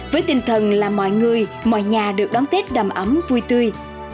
với tinh thần là mọi người mọi nhà được đón tết đầm ấm vui tươi